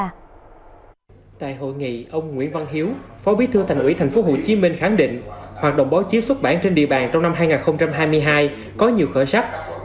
tại hội nghị ông nguyễn văn hiếu phó bí thư thành ủy tp hcm khẳng định hoạt động báo chí xuất bản trên địa bàn trong năm hai nghìn hai mươi hai có nhiều khởi sắc